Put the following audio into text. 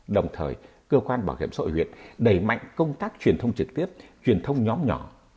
đồng thời cơ quan bảo hiểm xã hội huyện đẩy mạnh công tác truyền thông trực tiếp truyền thông nhóm nhỏ